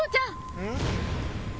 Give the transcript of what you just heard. うん？